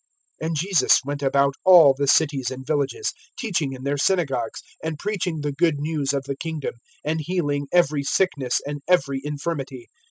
(35)And Jesus went about all the cities and villages, teaching in their synagogues, and preaching the good news of the kingdom, and healing every sickness and every infirmity.